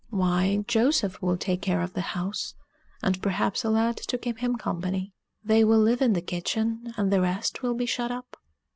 "Why, Joseph will take care of the house, and perhaps a lad to keep him company. They will live in the kitchen, and the rest will be shut up."